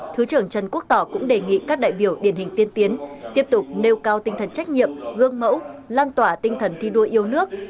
thứ trưởng trần quốc tỏ cũng đề nghị các đại biểu điển hình tiên tiến tiếp tục nêu cao tinh thần trách nhiệm gương mẫu lan tỏa tinh thần thi đua yêu nước